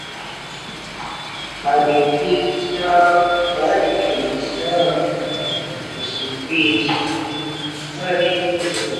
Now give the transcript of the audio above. This trio is the first in the second cycle of presidencies.